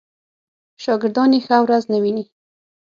شاګردان یې ښه ورځ نه ویني.